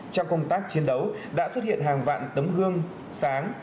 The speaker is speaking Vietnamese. trong công tác chiến đấu đã xuất hiện hàng vạn tấm gương sáng